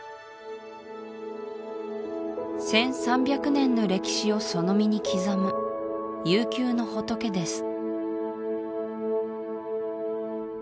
１３００年の歴史をその身に刻む悠久の仏です